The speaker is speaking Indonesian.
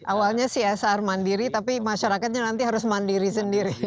awalnya csr mandiri tapi masyarakatnya nanti harus mandiri sendiri